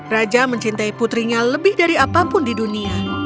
raja mencintai putrinya lebih dari apapun di dunia